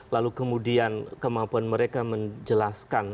lalu kemudian kemampuan mereka menjelaskan